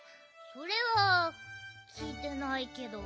それはきいてないけど。